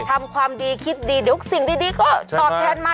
ทำความดีคิดดีเดี๋ยวสิ่งดีก็ตอบแทนมา